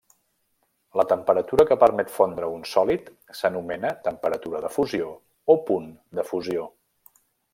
La temperatura que permet fondre un sòlid s'anomena temperatura de fusió o punt de fusió.